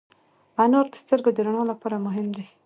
انار د سترګو د رڼا لپاره مهم دی.